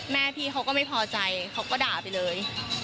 แม่พี่เขาก็ไม่พอใจเขาก็ด่าไปเลย